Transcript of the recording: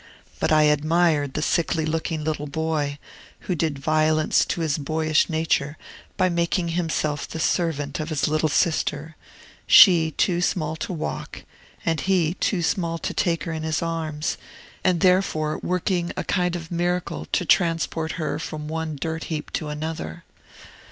But I admired the sickly looking little boy, who did violence to his boyish nature by making himself the servant of his little sister, she too small to walk, and he too small to take her in his arms, and therefore working a kind of miracle to transport her from one dirt heap to another.